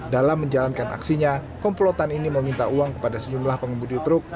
dalam menjalankan aksinya komplotan ini meminta uang kepada sejumlah pengemudi truk